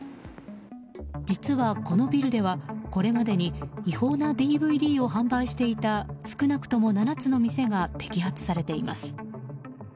実は、このビルではこれまでに違法なＤＶＤを販売していた少なくとも７つの店が摘発されています。